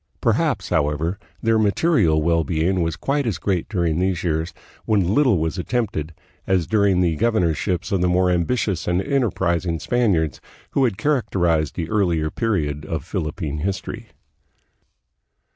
Perhaps, however, then* material well being was quite as great during these years, when little was attempted, as during the governorships of the more ambi tious and enterprising Spaniards who had characterized the earlier period of Philippine history.